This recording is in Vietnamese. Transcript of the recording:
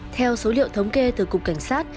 theo số liệu thống kê từ cục cảnh sát